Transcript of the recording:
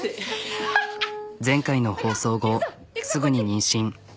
前回の放送後すぐに妊娠。